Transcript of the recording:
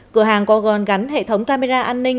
cửa hàng có gòn gắn hệ thống camera an ninh